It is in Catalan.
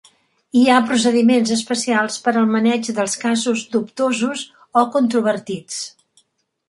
Hi ha procediments especials per al maneig dels casos dubtosos o controvertits.